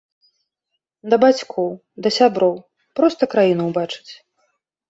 Да бацькоў, да сяброў, проста краіну ўбачыць.